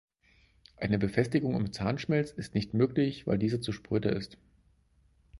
Eine Befestigung im Zahnschmelz ist nicht möglich, weil dieser zu spröde ist.